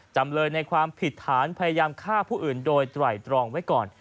จำเลยในความผิดฐานพยายามฆ่าผู้อื่นโดยไตรตรองไว้ก่อน